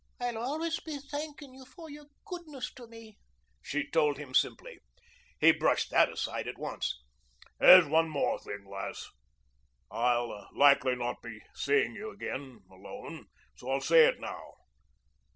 "I'll always be thanking you for your goodness to me," she told him simply. He brushed that aside at once. "There's one thing more, lass. I'll likely not be seeing you again alone, so I'll say it now.